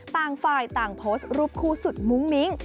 ต่างฝ่ายต่างโพสต์รูปคู่สุดมุ้งมิ้ง